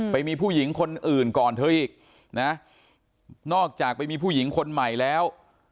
ไปมีผู้หญิงคนอื่นก่อนเธออีกนะนอกจากไปมีผู้หญิงคนใหม่แล้ว